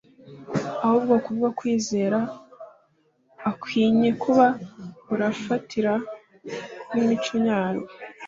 ahubwo kubwo kwizera akwinye kuba urafatiro rw'imico yanyu.